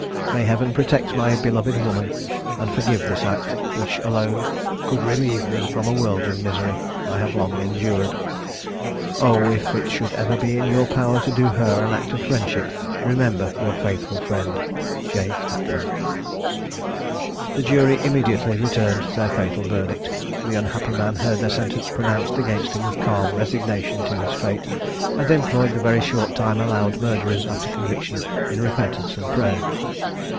May Heaven protect my beloved woman, and forgive this act, which alone could relieve me from a world of misery I have long endured! Oh! if it should ever be in your power to do her an act of friendship, remember your faithful friend, "J. HACKMAN." The jury immediately returned their fatal verdict. The unhappy man heard the sentence pronounced against him with calm resignation to his fate, and employed the very short time allowed murderers after conviction in repentance and prayer.